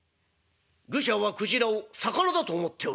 「愚者はくじらを魚だと思っておるのか？」。